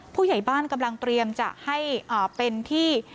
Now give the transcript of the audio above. ผู้ใหญ่บ้านกำลังเตรียมจะให้เป็นที่